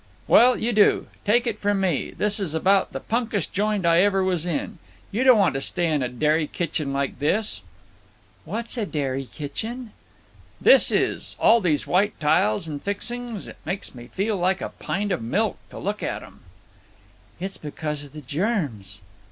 "Well, you do. Take it from me. This is about the punkest joint I ever was in. You don't want to stay in a dairy kitchen like this." "What's dairy kitchen?" "This is. All these white tiles and fixings. It makes me feel like a pint of milk to look at 'em." "It's because of the germs."